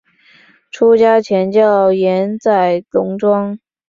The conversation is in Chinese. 出家前叫岩仔龙庄。